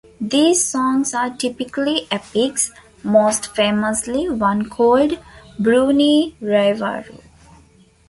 These songs are typically epics, most famously one called "Burunee Raivaru".